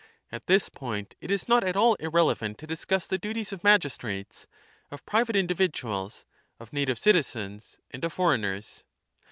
At this point it is not at all irrelevant to discuss the duties of magistrates, of private individuals, [of native citizensj and of foreigners.